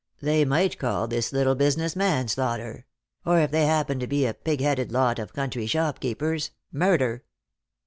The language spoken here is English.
They might call this little business manslaughter ; or, if they happened to be a pigheaded lot of country shopkeepers, murder."